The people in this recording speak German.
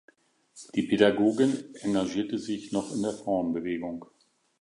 Die Pädagogin engagierte sich noch in der Frauenbewegung.